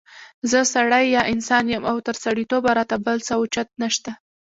زه سړی یا انسان يم او تر سړیتوبه را ته بل څه اوچت نشته